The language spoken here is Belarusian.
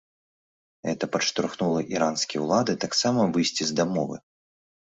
Гэта падштурхнула іранскія ўлады таксама выйсці з дамовы.